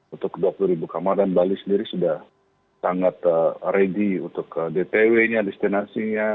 untuk dua puluh ribu kamar dan bali sendiri sudah sangat ready untuk dtw nya destinasinya